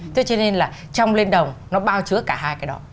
thế cho nên là trong lên đồng nó bao chứa cả hai cái đó